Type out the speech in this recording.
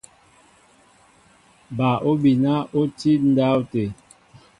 Bal obina oti ndáwte.